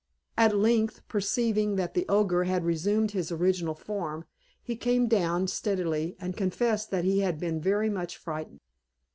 At length, perceiving that the Ogre had resumed his original form, he came down again stealthily, and confessed that he had been very much frightened.